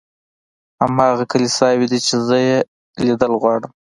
هماغه کلیساوې دي چې زه یې لیدل غواړم.